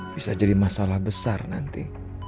bisa jadi masalah besar nanti